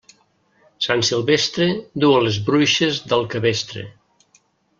Sant Silvestre du a les bruixes del cabestre.